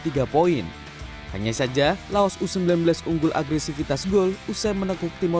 dengan hasil ini maka kamboja menyusul laos di peringkat kedua dengan perlahan yang sama yakni tiga poin